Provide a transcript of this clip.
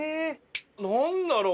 何だろう？